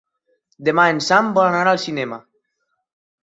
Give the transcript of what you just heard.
Demà en Sam vol anar al cinema.